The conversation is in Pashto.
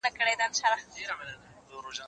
واښه د زهشوم له خوا راوړل کيږي